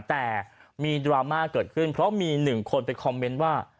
แต่มีดราม่าเกิดขึ้นเพราะมีหนึ่งคนไปคอมเมนต์ว่า